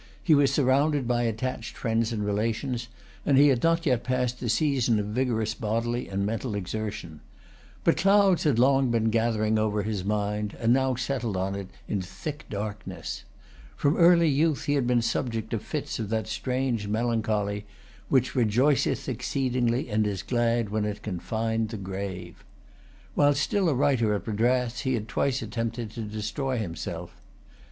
He was surrounded by attached friends and relations; and he had not yet passed the season of vigorous bodily and mental exertion. But clouds had long been gathering over his mind, and now settled on it in thick darkness. From early youth he had been subject to fits of that strange melancholy "which rejoiceth exceedingly and is glad when it can find the grave." While still a writer at Madras, he had twice attempted to destroy himself.